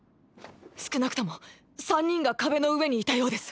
少なくとも３人が壁の上にいたようです。